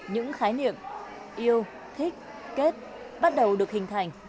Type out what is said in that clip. những khái niệm yêu thích kết bắt đầu được hình thành